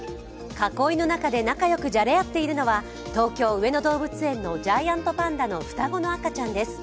囲いの中で仲良くじゃれ合っているのは東京・上野動物園のジャイアントパンダの双子の赤ちゃんです。